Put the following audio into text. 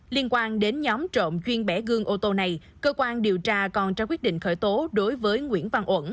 liên quan đến nhóm trộm chuyên bẻ gương ô tô này cơ quan điều tra còn trao quyết định khởi tố đối với nguyễn văn uẩn